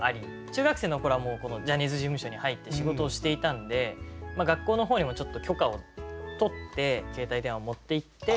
中学生の頃はもうジャニーズ事務所に入って仕事をしていたんで学校の方にも許可を取って携帯電話を持っていって。